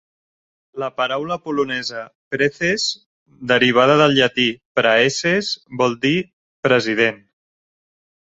La paraula polonesa "prezes", derivada del llatí "praeses", vol dir "president".